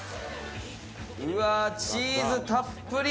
うわー、チーズたっぷり。